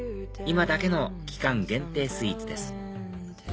今だけの期間限定スイーツです